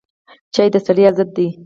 چای د ستړیا ضد دی